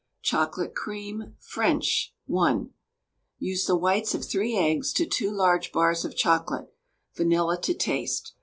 CHOCOLATE CREAM (French) (1). Use the whites of 3 eggs to 2 large bars of chocolate; vanilla to taste.